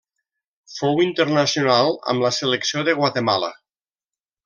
Fou internacional amb la selecció de Guatemala.